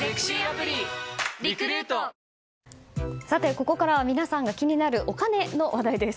ここからは皆さんが気になるお金の話題です。